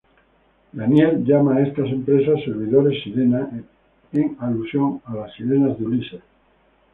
Lanier llama a estas empresas "servidores sirena", en alusión a las sirenas de Ulises.